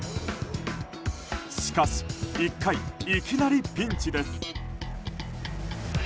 しかし、１回いきなりピンチです。